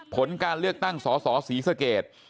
ผลการเลือกตั้งสสศรีสเกต